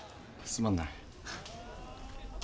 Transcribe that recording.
すまんな。